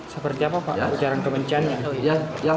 seperti apa pak ujaran kebenciannya